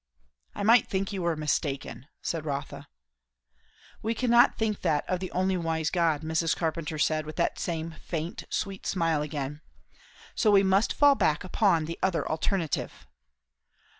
"I might think you were mistaken," said Rotha. "We cannot think that of the only wise God," Mrs. Carpenter said with that same faint, sweet smile again; "so we must fall back upon the other alternative."